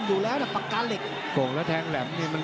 แต่พี่ป่าปากกาเหล็กล้วในช่วงเยอะเหลี่ยว